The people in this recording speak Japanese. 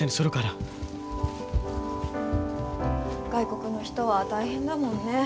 外国の人は大変だもんね。